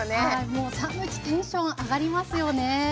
もうサンドイッチテンション上がりますよね。